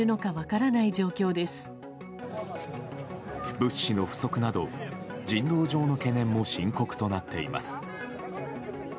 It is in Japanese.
物資の不足など、人道上の懸念も深刻となっています。